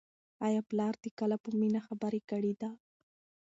آیا پلار دې کله په مینه خبره کړې ده؟